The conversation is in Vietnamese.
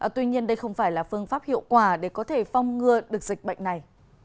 tuy nhiên đây không phải là phương pháp hiệu quả để có thể phong ngừa được dịch bệnh này